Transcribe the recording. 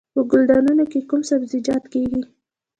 په ګلدانونو کې کوم سبزیجات کیږي؟